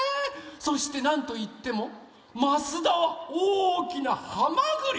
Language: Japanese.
そしてなんといっても益田はおおきなハマグリ！